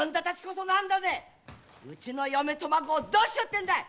⁉うちの嫁と孫をどうしようってんだい？